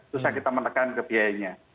susah kita menekan kebiayanya